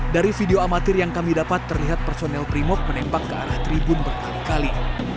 dari video amatir yang kami dapat terlihat personel primop menembak ke arah tribun berkali kali